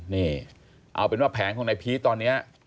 นี่เอาเป็นว่าแผงของนายพีชตอนนี้